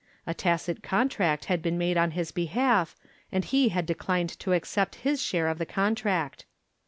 A tacit contract had been made on his behalf, and he had declined to accept his share of the contract.